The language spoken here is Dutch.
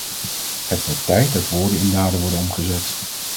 Het wordt tijd dat woorden in daden worden omgezet.